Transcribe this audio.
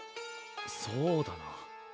そうだな。